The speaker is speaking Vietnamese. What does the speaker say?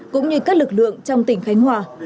cũng như các lực lượng trong tỉnh khánh hòa